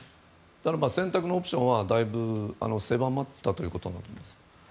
ならば選択のオプションはだいぶ狭まったということになります。